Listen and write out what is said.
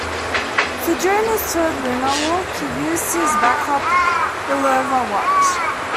So, during his third lunar walk, he used his backup Bulova watch.